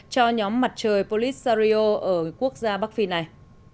cho nhóm mặt trời polisario ở quốc gia bắc phi này